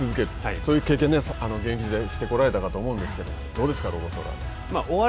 そういう経験、現役時代されてこられたと思うんですけどどうですか、ロコ・ソラーレ。